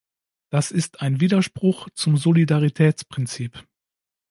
Das ist ein Widerspruch zum Solidaritätsprinzip.